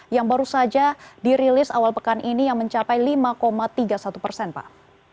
yang baru saja dirilis awal pekan ini yang mencapai lima tiga puluh satu persen pak